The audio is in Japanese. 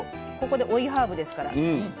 ここで追いハーブですから。